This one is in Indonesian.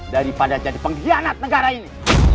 daripada jadi pengkhianat negara ini